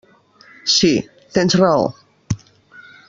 Sí, tens raó.